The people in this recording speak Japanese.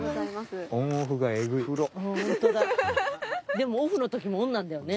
でもオフの時もオンなんだよね。